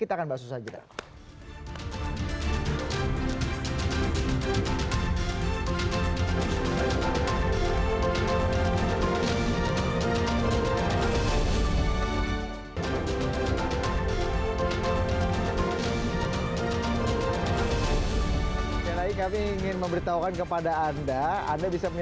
termasuk semua asn kadang kadang